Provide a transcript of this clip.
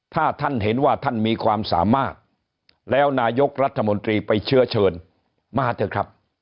ถ้าท่านเห็นว่าท่านมีความสามารถแล้วนายกรัฐมนตรีไปเชื้อเชิญมาเถอะครับ